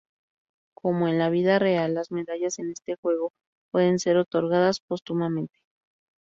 Como en la vida real, las medallas en este juego pueden ser otorgadas póstumamente.